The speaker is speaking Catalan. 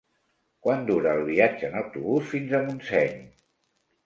Quant dura el viatge en autobús fins a Montseny?